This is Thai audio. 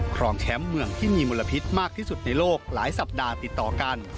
ครองแชมป์เมืองที่มีมลพิษมากที่สุดในโลกหลายสัปดาห์ติดต่อกัน